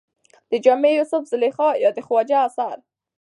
د جامي يوسف زلېخا يا د خواجه اثر